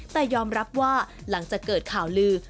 แต่ยอมรับว่าหลังจากเกิดข่าวลือ